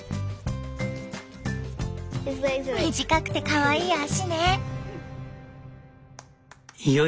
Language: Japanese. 短くてかわいい足ねえ。